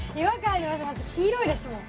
黄色いですもん